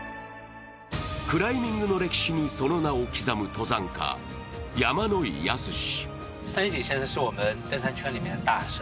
クライミングの歴史にその名を刻む登山家・山野井泰史。